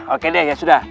oke deh ya sudah